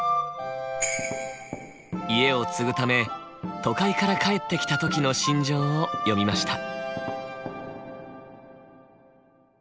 家を継ぐため都会から帰ってきた時の心情を詠みました。